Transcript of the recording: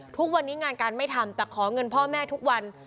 ทุกวันนี้งานการไม่ทำแต่ขอเงินพ่อแม่ทุกวัน